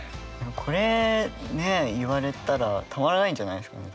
これね言われたらたまらないんじゃないんですかね？